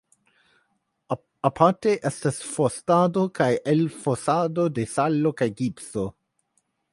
Aparte estas forstado kaj elfosado de salo kaj gipso.